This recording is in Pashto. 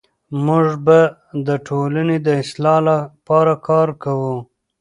موږ به د ټولنې د اصلاح لپاره کار کوو.